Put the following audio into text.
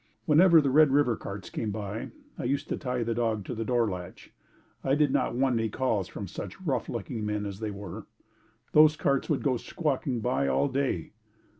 Whenever the Red River carts came by, I used to tie the dog to the doorlatch. I did not want any calls from such rough looking men as they were. Those carts would go squawking by all day.